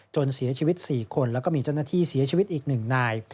จนเสียชีวิต๔คนและมีจนาทีเสียชีวิตอีก๑นาย